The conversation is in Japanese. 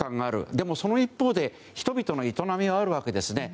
でも、その一方で人々の営みはあるわけですね。